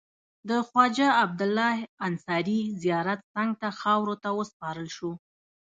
د خواجه عبدالله انصاري زیارت څنګ ته خاورو ته وسپارل شو.